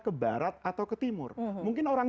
ke barat atau ke timur mungkin orang